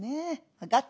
分かった。